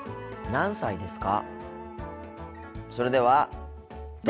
何歳ですか？